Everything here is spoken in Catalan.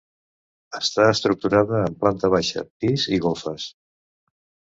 Està estructurada en planta baixa, pis i golfes.